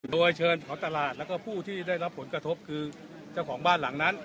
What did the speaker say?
โดยเชิญเผาตลาดแล้วก็ผู้ที่ได้รับผลกระทบคือเจ้าของบ้านหลังนั้น